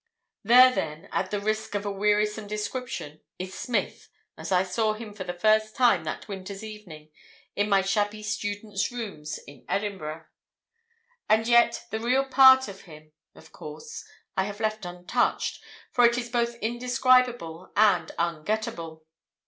"There, then, at the risk of a wearisome description, is Smith as I saw him for the first time that winter's evening in my shabby student's rooms in Edinburgh. And yet the real part of him, of course, I have left untouched, for it is both indescribable and un get atable.